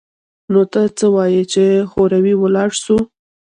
نو ته څه وايي چې هورې ولاړ سو؟